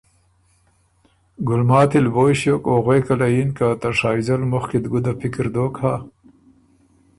ګلماتی ل بویٛ ݭیوک او غوېکه له یِن۔ که ته شائزل مُخکی ت ګُده پِکر دوک هۀ؟